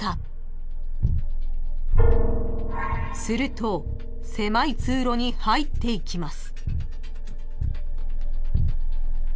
［すると狭い通路に入っていきます］